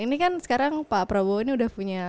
ini kan sekarang pak prabowo ini udah punya